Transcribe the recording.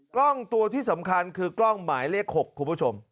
กล้องตัวที่สำคัญคือกล้องหมายเลข๖คุณผู้ชม